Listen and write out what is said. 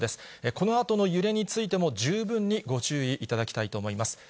このあとの揺れについても、十分にご注意いただきたいと思います。